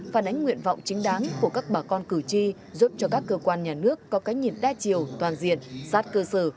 phản ánh nguyện vọng chính đáng của các bà con cử tri giúp cho các cơ quan nhà nước có cái nhìn đa chiều toàn diện sát cơ sở